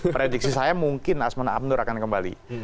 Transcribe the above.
prediksi saya mungkin asman abnur akan kembali